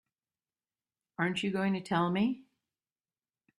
Aren't you going to tell me?